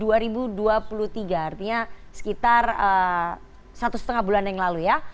artinya sekitar satu setengah bulan yang lalu ya